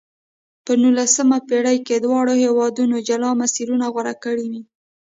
په نولسمه پېړۍ کې دواړو هېوادونو جلا مسیرونه غوره کړې وې.